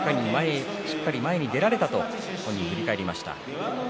しっかり前に出られたと本人は振り返りました。